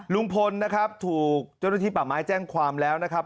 ลุงพลนะครับถูกเจ้าหน้าที่ป่าไม้แจ้งความแล้วนะครับ